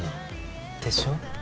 でしょ？